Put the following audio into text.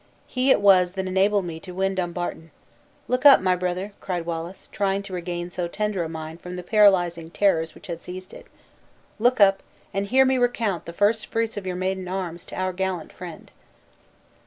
He it was that enabled me to win Dumbarton. Look up, my brother!" cried Wallace, trying to regain so tender a mind from the paralyzing terrors which had seized it; "Look up, and hear me recount the first fruits of your maiden arms, to our gallant friend."